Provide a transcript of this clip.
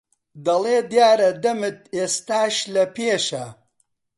دەڵێ دیارە دەمت ئێستاش لەپێشە